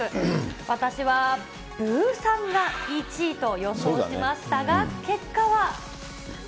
私はブーサンが１位と予想しましたが、結果は。